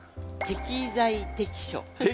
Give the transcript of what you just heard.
適材適所。